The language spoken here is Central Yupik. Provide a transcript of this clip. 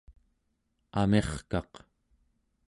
amirkaq